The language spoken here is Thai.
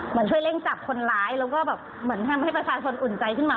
เหมือนช่วยเร่งจับคนร้ายแล้วก็แบบเหมือนทำให้ประชาชนอุ่นใจขึ้นมา